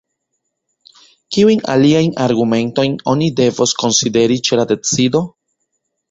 Kiujn aliajn argumentojn oni devos konsideri ĉe la decido?